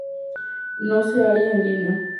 No se halla en Linneo.